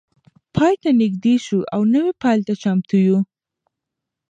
پای ته نږدې شو او نوی پیل ته چمتو یو.